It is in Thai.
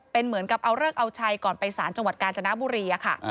เป็นเหมือนกับเอาเลิกเอาชัยก่อนไปสารจังหวัดกาญจนบุรีค่ะ